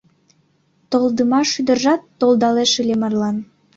Толдымаш ӱдыржат толдалеш ыле марлан.